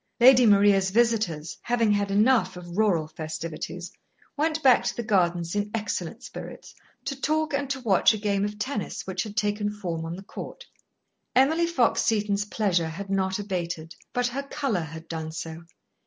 Lady Maria's visitors, having had enough of rural festivities, went back to the gardens in excellent spirits, to talk and to watch a game of tennis which had taken form on the court. Emily Fox Seton's pleasure had not abated, but her colour had done so.